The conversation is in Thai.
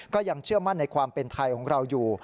ก็ยังเชื่อมั่นในความเป็นไทยของเราอยู่